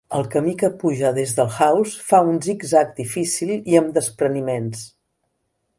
El camí que puja des del Hause fa un zig-zag difícil i amb despreniments.